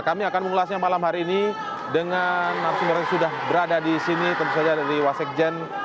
kami akan mengulasnya malam hari ini dengan narasumber yang sudah berada di sini tentu saja dari wasekjen